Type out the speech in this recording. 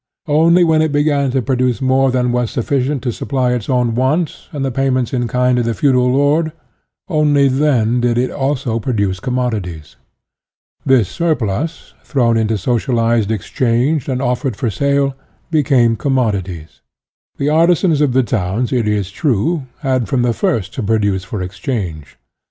Only when it be gan to produce more than was sufficient to supply its own wants and the payments in kind to the feudal lord, only then did it also produce commodities. This surplus, thrown into socialized exchange and offered for sale, became commodities. The artisans of the towns, it is true, had from the first to produce for exchange.